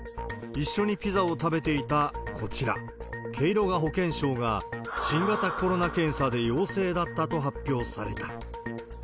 一緒にピザを食べていたこちら、ケイロガ保健相が新型コロナ検査で陽性だったと発表された。